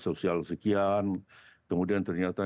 sosial sekian kemudian ternyata